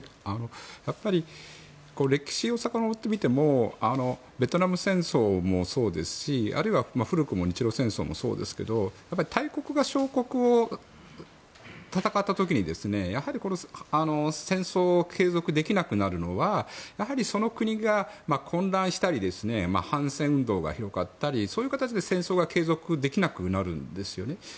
やっぱり歴史をさかのぼってみてもベトナム戦争もそうですしあるいは古くも日露戦争もそうですけど大国が小国と戦った時に戦争を継続できなくなるのはやはりその国が混乱したり反戦運動が広がったりそういう形で、戦争が継続できなくなるんですね。